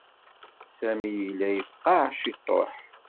Sami yella yefqeɛ ciṭuḥ.